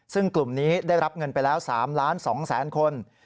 ซึ่งกลุ่มนี้ได้รับเงินไปแล้ว๓ล้าน๒แสนคน